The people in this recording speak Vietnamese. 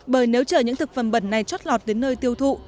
bởi nếu chở những thực phẩm bẩn này trót lọt đến nơi tiêu thụ